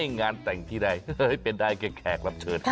งานแต่งที่ใดเป็นใดแขกครับเชิญ